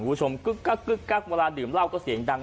ผู้ชมกึ๊กก๊อกกึ๊กก๊อกเวลาดื่มเหล้าก็เสียงดัง